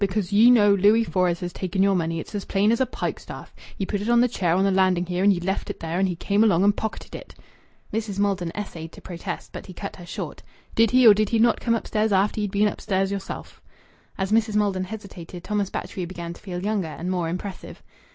Because ye know Louis Fores has taken your money. It's as plain as a pikestaff. Ye put it on the chair on the landing here, and ye left it there, and he came along and pocketed it." Mrs. Maldon essayed to protest, but he cut her short. "Did he or did he not come upstairs after ye'd been upstairs yourself?" As Mrs. Maldon hesitated, Thomas Batchgrew began to feel younger and more impressive.